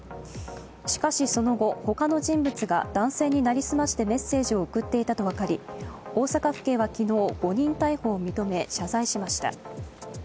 しかし、その後、他の人物が男性に成り済ましてメッセージを送っていたと分かり、大阪府警は昨日、誤認逮捕を認め、謝罪しました。